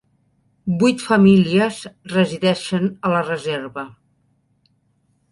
Vuit famílies resideixen a la reserva.